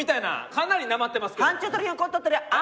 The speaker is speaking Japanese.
かなりなまってますけど。